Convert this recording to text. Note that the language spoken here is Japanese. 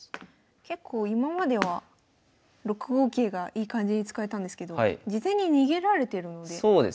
結構今までは６五桂がいい感じに使えたんですけど事前に逃げられてるので。